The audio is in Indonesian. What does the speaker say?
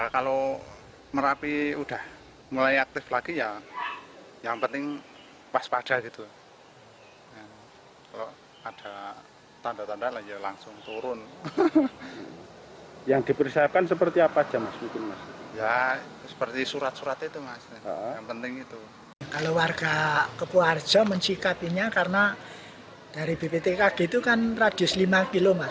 kalau warga kepoharjo mencikapinya karena dari bpptkg itu kan radius lima km